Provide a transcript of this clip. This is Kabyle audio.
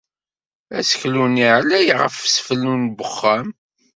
Aseklu-nni ɛlay ɣef wesfel n wexxam.